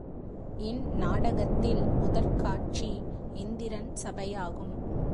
இந்நாடகத்தில் முதற் காட்சி இந்திரன் சபையாகும்.